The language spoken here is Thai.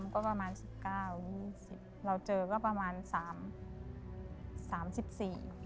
จบตอนนั้นคือ๑๙แล้วโจมที่๓๔